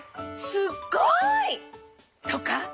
すっごい！」とか？